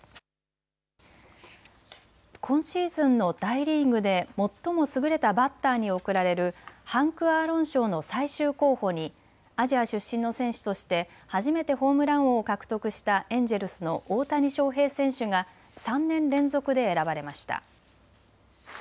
今シーズンの大リーグで最も優れたバッターに贈られるハンク・アーロン賞の最終候補にアジア出身の選手として初めてホームラン王を獲得したエンジェルスの大谷翔平選手が３年連続で選ばれました。